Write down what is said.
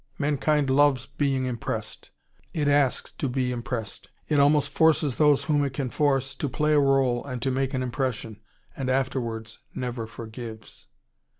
Mankind loves being impressed. It asks to be impressed. It almost forces those whom it can force to play a role and to make an impression. And afterwards, never forgives.